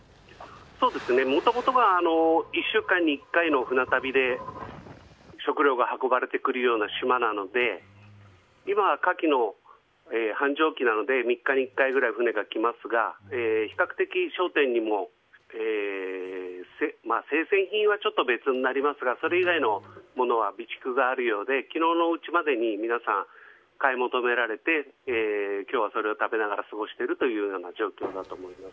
もともとは１週間に１回の船旅で食料が運ばれてくるような島なので今は夏季の繁盛期なので３日に１回ぐらい船が来ますが比較的、商店にも生鮮品はちょっと別になりますがそれ以外のものは備蓄があるようで昨日のうちまでに皆さん、買い求められて今日はそれを食べながら過ごしている状況だと思います。